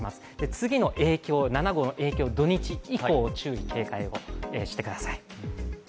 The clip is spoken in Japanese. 次の７号の影響は土日以降、警戒してください。